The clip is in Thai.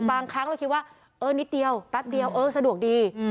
บางครั้งเราคิดว่าเออนิดเดียวแป๊บเดียวเออสะดวกดี